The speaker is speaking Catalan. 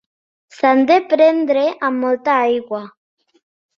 S'han de prendre amb molta aigua.